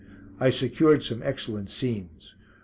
I secured some excellent scenes.